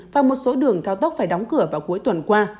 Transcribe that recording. và một số đường cao tốc phải đóng cửa vào cuối tuần qua